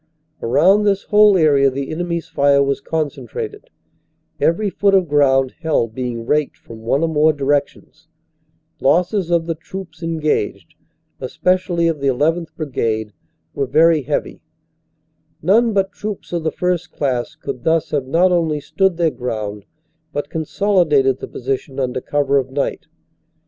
Around this whole area the enemy s fire was concentrated, every foot of ground held being raked from one or more directions. Losses of the troops en 16 226 CANADA S HUNDRED DAYS gaged, especially of the 1 1th. Brigade, were very heavy. None but troops of the first class could thus have not only stood their ground but consolidated the position under cover of night.